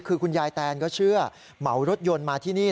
คือคุณยายแตนก็เชื่อเหมารถยนต์มาที่นี่